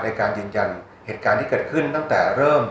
ในการยืนยันเหตุการณ์ที่เกิดขึ้นตั้งแต่เริ่ม